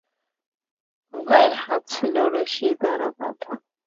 উভয়ের হাত ছিল রশি দ্বারা বাঁধা।